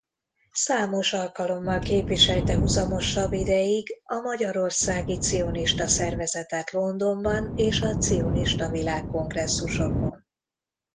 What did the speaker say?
Számos alkalommal képviselte huzamosabb ideig a magyarországi cionista szervezetet Londonban és a cionista világkongresszusokon.